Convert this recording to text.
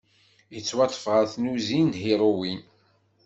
Yettwaṭṭef ɣef tnuzi n lhiruwin.